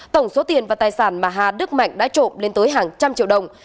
tổng số tiền và tài sản mà hà đức mạnh đã trộm lên tới hàng trăm triệu đồng